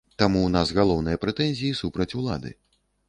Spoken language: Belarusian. Таму ў нас галоўныя прэтэнзіі супраць улады.